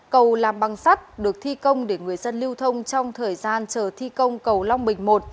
cầu làm băng sắt được thi công để người dân lưu thông trong thời gian chờ thi công cầu long bình một